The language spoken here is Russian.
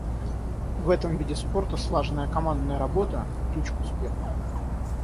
В этом виде спорта слаженная командная работа — ключ к успеху.